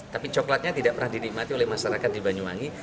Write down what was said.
tapi coklatnya tidak pernah dinikmati oleh masyarakat di banyuwangi